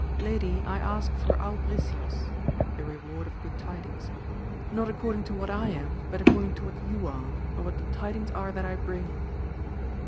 Lady, I ask for albricias (the reward of good tidings) not according to what I am, but according to what you are, and what the tidings are that I bring.